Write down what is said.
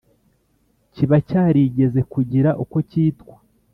Kiba cyarigeze kugira uko cyitwa